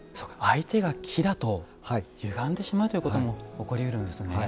相手が木だとゆがんでしまうということも起こりうるんですね。